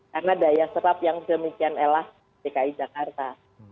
karena daya serap yang demikian adalah dki jakarta